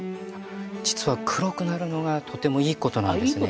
実は黒くなるのがとてもいいことなんですね。